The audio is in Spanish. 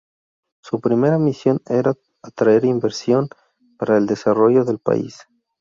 Su primera misión era atraer inversión para el desarrollo del país.